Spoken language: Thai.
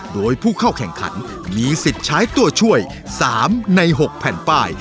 โดยผู้เข้าแข่งขันมีสิทธิ์ใช้ตัวช่วย๓ใน๖แผ่นป้าย